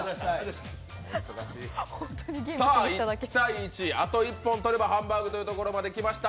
１対１、あと一本とればハンバーグというところまで来ました。